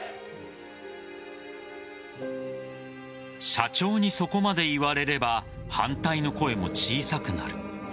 社長にそこまで言われれば反対の声も小さくなる。